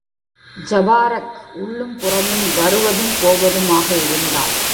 ஜபாரக் உள்ளும் புறமும் வருவதும் போவதுமாக இருந்தான்.